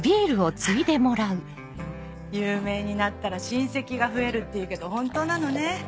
有名になったら親戚が増えるっていうけど本当なのね。